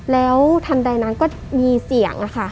แล้วทันใดนั้นก็มีเสียงอะค่ะ